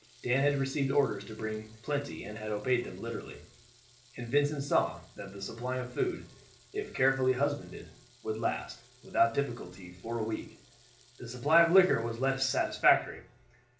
Dan had received orders to bring plenty and had obeyed them literally, and Vincent saw that the supply of food, if carefully husbanded, would last; without difficulty for a week. The supply of liquor was less satisfactory.